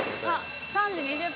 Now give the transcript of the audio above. ◆３時２０分。